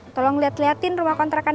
tolong ngeliat liatin rumah kontrakan